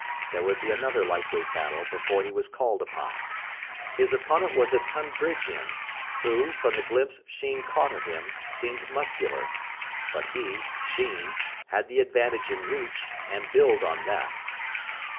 There would be another light weight battle before he was called upon. His opponent was a Tonbridgian, who, from the glimpse Sheen caught of him, seemed muscular. But he (Sheen) had the advantage in reach, and built on that.